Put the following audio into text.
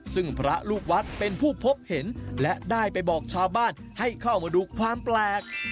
ซึ่งพระลูกวัดเป็นผู้พบเห็นและได้ไปบอกชาวบ้านให้เข้ามาดูความแปลก